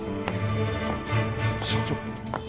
社長。